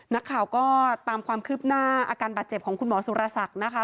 นักข่าวก็ตามความคืบหน้าอาการบาดเจ็บของคุณหมอสุรศักดิ์นะคะ